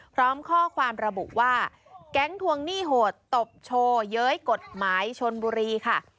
พร้อมข้อความระบุว่าแก๊งทวงหนี้โหดตบโชว์เย้ยกฎหมายชนบุรีค่ะ